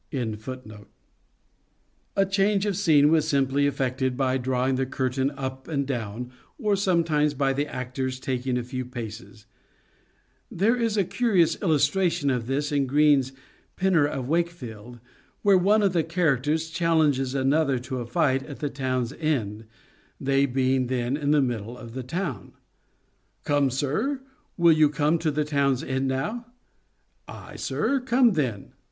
f A change of scene was simply effected by draw ing the curtain up and down, or sometimes by the actors taking a few paces. There is a curious illus tration of this in Greene's " Pinner of Wakefield," *" An Apologie for Poetry." t " King John," iv. 2. SHAKESPEAREAN THEATRES 13 where one of the characters challenges another to a fight at the town's end, they being then in the middle of the town :" Come, sir, will you come to the town's end now ? Aye, sir. Come then."